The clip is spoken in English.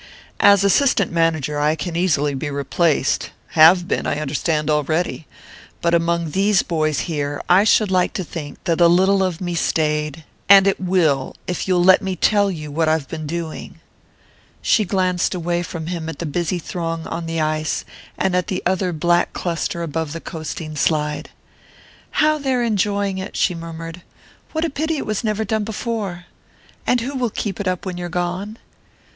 As assistant manager I can easily be replaced have been, I understand, already; but among these boys here I should like to think that a little of me stayed and it will, if you'll let me tell you what I've been doing." [Illustration: Half way up the slope to the house they met.] She glanced away from him at the busy throng on the ice and at the other black cluster above the coasting slide. "How they're enjoying it!" she murmured. "What a pity it was never done before! And who will keep it up when you're gone?"